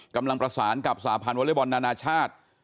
กำลังประสานกับสาพันธ์วอเล็กบอลนานาชาติ